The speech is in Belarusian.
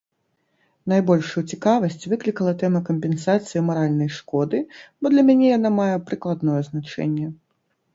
Найбольшую цікавасць выклікала тэма кампенсацыі маральнай шкоды, бо для мяне яна мае прыкладное значэнне.